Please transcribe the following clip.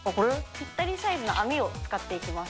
ぴったりサイズの網を使っていきます。